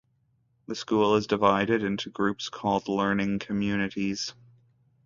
The school is divided into groups called 'Learning Communities.